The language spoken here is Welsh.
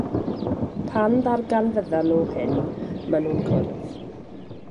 Pan ddarganfyddan nhw hyn, maen nhw'n cwrdd.